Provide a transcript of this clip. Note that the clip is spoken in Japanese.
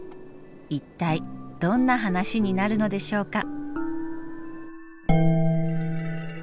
一体どんな話になるのでしょうか。